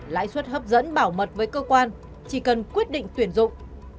lãi suất hấp dẫn bảo mật với cơ quan chỉ cần quyết định tuyển dụng